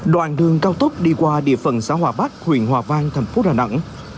đoạn đường cao tốc đi qua địa phận xã hòa bắc huyện hòa vang thành phố đà nẵng